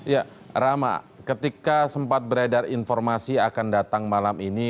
ya rama ketika sempat beredar informasi akan datang malam ini